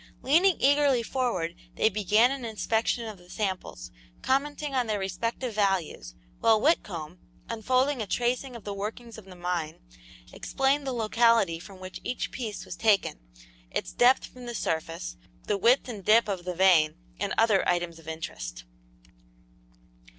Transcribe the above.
Leaning eagerly forward, they began an inspection of the samples, commenting on their respective values, while Whitcomb, unfolding a tracing of the workings of the mine, explained the locality from which each piece was taken, its depth from the surface, the width and dip of the vein, and other items of interest.